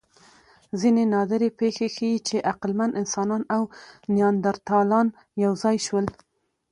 ځینې نادرې پېښې ښيي، چې عقلمن انسانان او نیاندرتالان یو ځای شول.